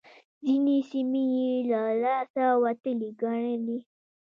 ځينې سيمې يې له لاسه وتلې ګڼلې.